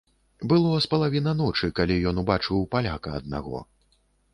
Было з палавіна ночы, калі ён убачыў паляка аднаго.